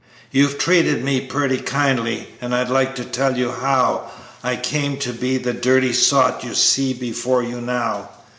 "You've treated me pretty kindly and I'd like to tell you how I came to be the dirty sot you see before you now.